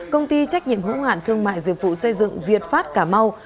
công ty trách nhiệm hữu hạn thương mại dịch vụ xây dựng việt pháp cà mau